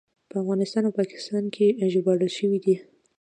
په افغانستان او پاکستان کې ژباړل شوی دی.